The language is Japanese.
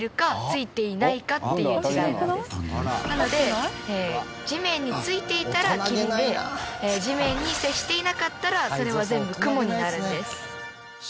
なので地面についていたら霧で地面に接していなかったらそれは全部雲になるんです。